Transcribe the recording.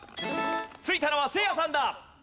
ついたのはせいやさんだ。